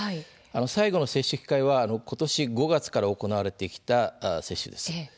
最後の接種機会は今年５月から行われてきた接種です。